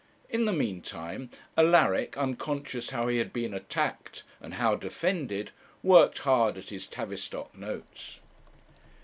In the meantime Alaric, unconscious how he had been attacked and how defended, worked hard at his Tavistock notes.